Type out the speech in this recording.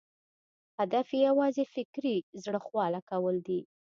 هدف یې یوازې فکري زړه خواله کول دي.